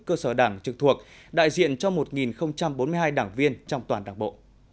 cơ sở đảng trực thuộc đại diện cho một bốn mươi hai đảng viên trong toàn đảng bộ